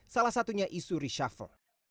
salah satunya isu reshuffle